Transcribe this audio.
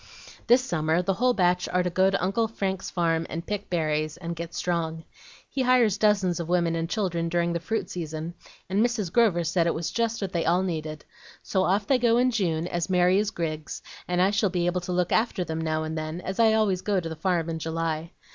"This summer the whole batch are to go to Uncle Frank's farm and pick berries, and get strong. He hires dozens of women and children during the fruit season, and Mrs. Grover said it was just what they all needed. So off they go in June, as merry as grigs, and I shall be able to look after them now and then, as I always go to the farm in July.